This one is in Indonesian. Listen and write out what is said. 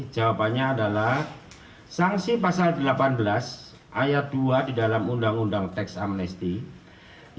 jawabannya adalah sanksi pasal delapan belas ayat dua di dalam undang undang teks amnesty